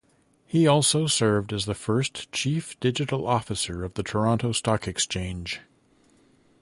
He also served as the first chief digital officer of the Toronto Stock Exchange.